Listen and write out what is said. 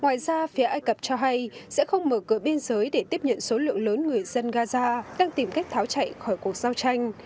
ngoài ra phía ai cập cho hay sẽ không mở cửa biên giới để tiếp nhận số lượng lớn người dân gaza đang tìm cách tháo chạy khỏi cuộc giao tranh